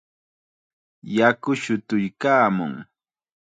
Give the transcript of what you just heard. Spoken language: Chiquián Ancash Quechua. Yaku shutuykaamun.